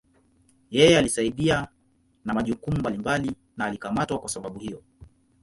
Yeye alisaidia na majukumu mbalimbali na alikamatwa kuwa sababu hiyo.